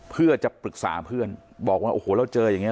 เพื่อจะปรึกษาเพื่อนบอกว่าโอ้โหเราเจออย่างนี้